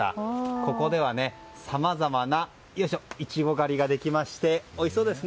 ここでは、さまざまなイチゴ狩りができましておいしそうですね。